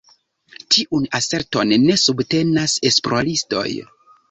Tiun aserton ne subtenas esploristoj.